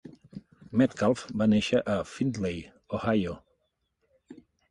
Metcalf va néixer a Findlay, Ohio.